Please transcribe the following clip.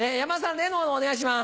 例のものお願いします。